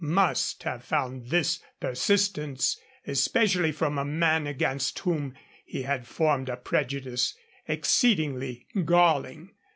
must have found this persistence, especially from a man against whom he had formed a prejudice, exceedingly galling.